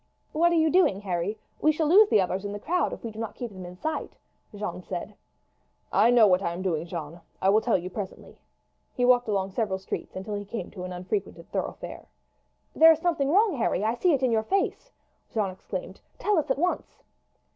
"What are you doing, Harry? We shall lose the others in the crowd if we do not keep them in sight," Jeanne said. "I know what I am doing, Jeanne; I will tell you presently." He walked along several streets until he came to an unfrequented thoroughfare. "There is something wrong, Harry. I see it in your face!" Jeanne exclaimed. "Tell us at once.